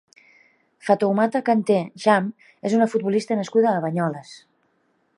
Fatoumata Kanteh Cham és una futbolista nascuda a Banyoles.